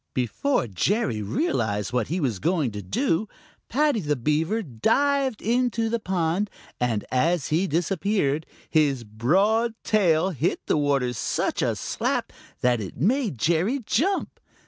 Before Jerry realized what he was going to do, Paddy the Beaver dived into the pond, and as he disappeared, his broad tail hit the water such a slap that it made Jerry jump.